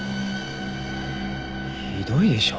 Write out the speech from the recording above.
ひどいでしょ？